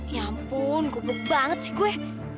ya ampun gubuk banget sih gue